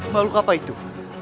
malu apa itu